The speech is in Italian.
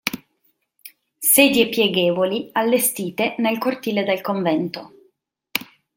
Sedie pieghevoli allestite nel cortile del convento.